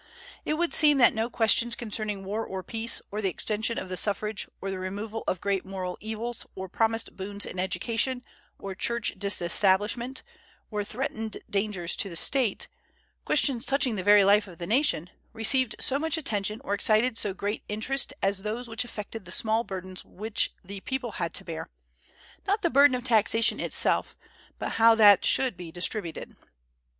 It would seem that no questions concerning war or peace, or the extension of the suffrage, or the removal of great moral evils, or promised boons in education, or Church disestablishment, or threatened dangers to the State, questions touching the very life of the nation, received so much attention or excited so great interest as those which affected the small burdens which the people had to bear; not the burden of taxation itself, but how that should be distributed.